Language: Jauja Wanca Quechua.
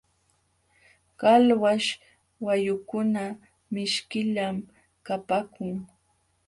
Qalwaśh wayukuna mishkillam kapaakun.